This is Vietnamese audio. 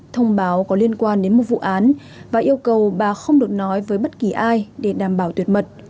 thông báo có liên quan đến một vụ án và yêu cầu bà không được nói với bất kỳ ai để đảm bảo tuyệt mật